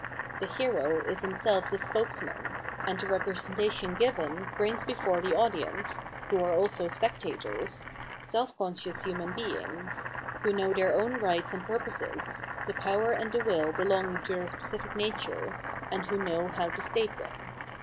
The hero is himself the spokesman, and the representation given brings before the audience — who are also spec tators — self conscious human beings, who know their own rights and purposes, the power and the will be longing to their specific nature, and who know how to state them.